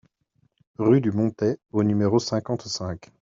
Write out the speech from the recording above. Rue du Montais au numéro cinquante-cinq